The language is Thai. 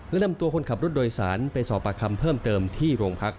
และนำตัวคนขับรถโดยสารไปสอบปากคำเพิ่มเติมที่โรงพัก